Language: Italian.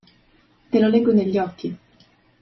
Te lo leggo negli occhi